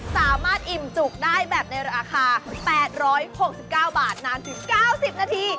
สามารถอิ่มจุกได้แบบในราคา๘๖๙บาทนานถึง๙๐นาที